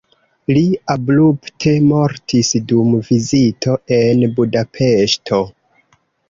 Li abrupte mortis dum vizito en Budapeŝto.